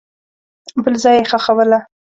بل ځای یې ښخوله.